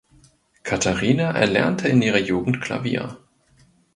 Katarina erlernte in ihrer Jugend Klavier.